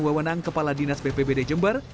wawenang kepala dinas bpbd jember